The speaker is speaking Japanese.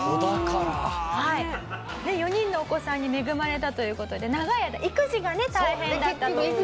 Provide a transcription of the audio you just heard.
４人のお子さんに恵まれたという事で長い間育児がね大変だったという。